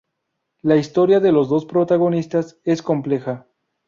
La historia de los dos protagonistas es compleja.